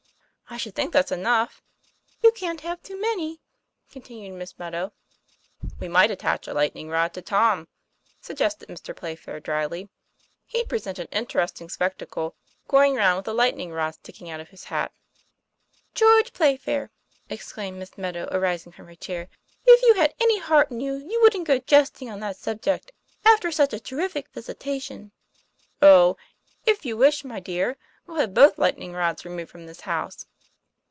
"I should think that's enough." 'You can't have too many," continued Miss Meadow. 'We might attach a lightning rod to Tom," sug gested Mr. Playfair dryly. 'He'd present an inter esting spectacle, going round with a lightning rod sticking out of his hat." ;' George Playfair," exclaimed Miss Meadow, aris ing from her chair, "if you had any heart in you, you wouldn't go jesting on that subject, after such a terrific visitation!" 'Oh! if you wish, my dear, we'll have both light ning rods removed from this house."